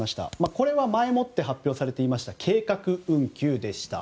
これは前もって発表されていました計画運休でした。